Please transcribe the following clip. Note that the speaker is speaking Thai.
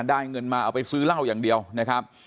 เงินมาเอาไปซื้อเหล้าอย่างเดียวนะครับ